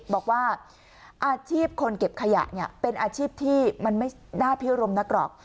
บอกว่าอาชีพคนเก็บขยะเนี่ยเป็นอาชีพที่มันไม่น่าพิรมนักหรอก